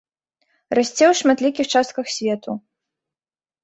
Расце ў шматлікіх частках свету.